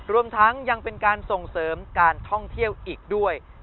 รวมทั้งยังเป็นการส่งเสริมการท่องเที่ยวอีกด้วย